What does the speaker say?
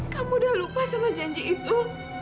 kamu udah lupa sama janji itu